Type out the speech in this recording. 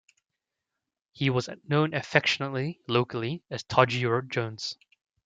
He was known affectionately locally as 'Todger' Jones.